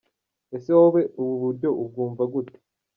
Ese wowe ubu buryo urabwumva gute? .